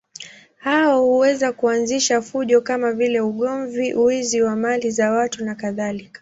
Hao huweza kuanzisha fujo kama vile ugomvi, wizi wa mali za watu nakadhalika.